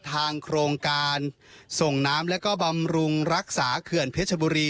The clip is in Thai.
ทางโครงการส่งน้ำแล้วก็บำรุงรักษาเขื่อนเพชรบุรี